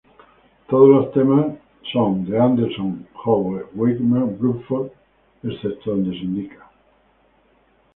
Todos los temas por Anderson, Howe, Wakeman, Bruford excepto donde se indica.